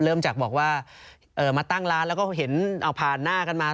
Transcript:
เริ่มจากบอกว่ามาตั้งร้านแล้วก็เห็นเอาผ่านหน้ากันมา